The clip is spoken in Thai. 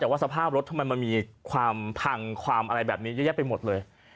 แต่ว่าสภาพรถทำไมมันมีความพังความอะไรแบบนี้เยอะแยะไปหมดเลย